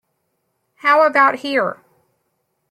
How about here?